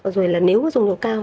rồi là nếu dùng nhiều cao